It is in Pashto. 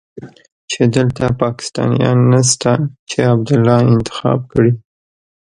چې دلته پاکستانيان نشته چې عبدالله انتخاب کړي.